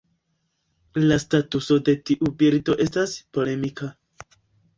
La statuso de tiu birdo estas polemika.